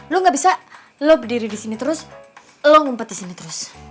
lo gak bisa lo berdiri disini terus lo ngumpet disini terus